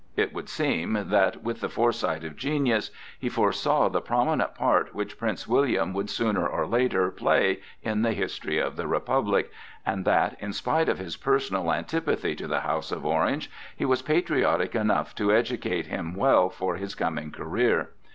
It would seem that, with the foresight of genius, he foresaw the prominent part which Prince William would sooner or later play in the history of the Republic, and that, in spite of his personal antipathy to the house of Orange, he was patriotic enough to educate him well for his coming career.